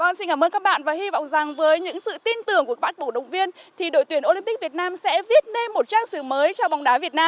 và xin cảm ơn các bạn và hy vọng rằng với những sự tin tưởng của các bạn cổ đồng viên thì đội tuyển olympic việt nam sẽ viết lên một trang sử mới cho bóng đá việt nam